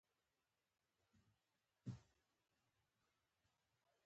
مسلکي ژبه د یوه ځانګړي تخصص له پاره ډېره کاریږي.